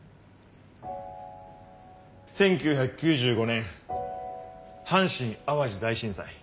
１９９５年阪神・淡路大震災。